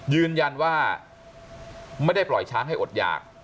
ยืนยันว่าไม่ได้ปล่อยช้างให้อดหยาก